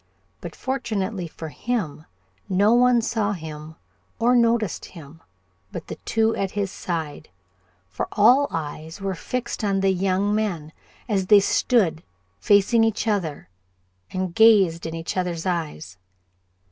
But fortunately for him, no one saw him or noticed him but the two at his side, for all eyes were fixed on the young men, as they stood facing each other and gazed in each other's eyes.